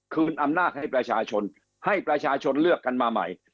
อำนาจให้ประชาชนให้ประชาชนเลือกกันมาใหม่